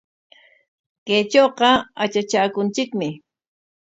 Kaytrawqa atratraakunchikmi .